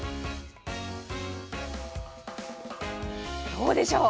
どうでしょう？